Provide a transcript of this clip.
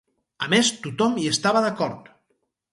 A més, tothom hi estava d'acord.